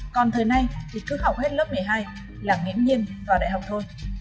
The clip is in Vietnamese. còn thời nay thì cứ học hết lớp một mươi hai là nghén nhiên vào đại học thôi